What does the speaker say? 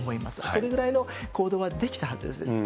それぐらいの行動はできたはずです。